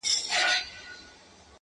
بیرته یوسه خپل راوړي سوغاتونه!